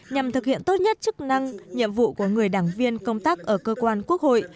nhằm thực hiện tốt nhất chức năng nhiệm vụ của người đảng viên công tác ở cơ quan quốc hội